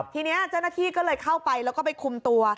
ทีนี้เจ้าหน้าที่ก็เลยเข้าไปแล้วก็ไปคุมตัว